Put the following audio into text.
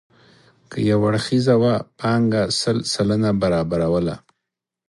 که یو اړخیزه وه پانګه سل سلنه برابروله.